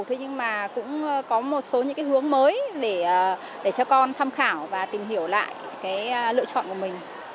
thế nhưng mà cũng có một số những cái hướng mới để cho con tham khảo và tìm hiểu lại cái lựa chọn của mình